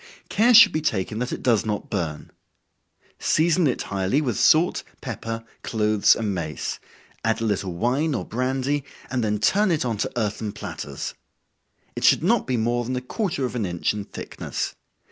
Care should be taken that it does not burn. Season it highly with salt, pepper, cloves and mace add a little wine or brandy, and then turn it on to earthen platters. It should not be more than a quarter of an inch in thickness.